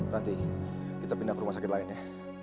ranti kita pindah ke rumah sakit lain ya